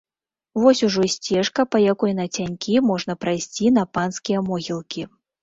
Вось ужо і сцежка, па якой нацянькі можна прайсці на панскія могілкі.